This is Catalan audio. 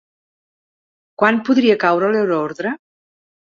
Quan podria caure l’euroordre?